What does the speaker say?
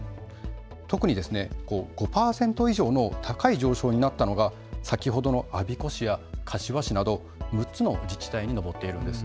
特に５％以上の高い上昇になったのが先ほどの我孫子市や柏市など６つの自治体に上っているんです。